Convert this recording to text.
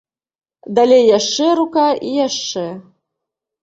Далей яшчэ рука і яшчэ.